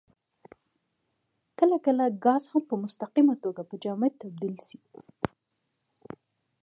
کله کله ګاز هم په مستقیمه توګه په جامد تبدیل شي.